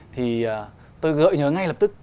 thì tôi gợi nhớ ngay lập tức